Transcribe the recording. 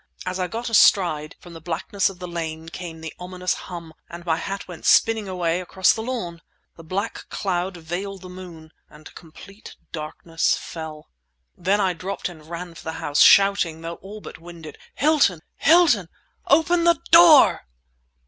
As I got astride, from the blackness of the lane came the ominous hum, and my hat went spinning away across the lawn!—the black cloud veiled the moon and complete darkness fell. Then I dropped and ran for the house—shouting, though all but winded—"Hilton! Hilton! Open the door!"